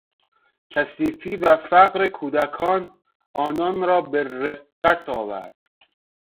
کثیفی و فقر کودکان، آنان را به رقت آورد.